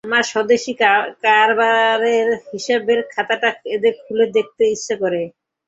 আমার স্বদেশী কারবারের হিসাবের খাতাটা এদের খুলে দেখাতে ইচ্ছা করে।